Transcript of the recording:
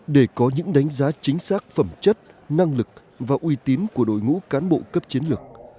để có những đánh giá chính xác phẩm chất năng lực và uy tín của đội ngũ cán bộ cấp chiến lược